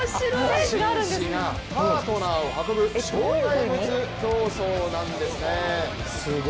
紳士がパートナーを運ぶ障害物競走なんですね。